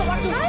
ada api ada api